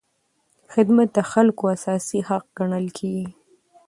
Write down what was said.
خدمت د خلکو اساسي حق ګڼل کېږي.